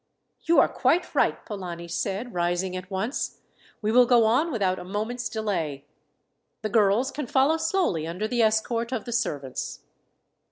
"You are quite right," Polani said, rising at once. "We will go on without a moment's delay! The girls can follow slowly under the escort of the servants."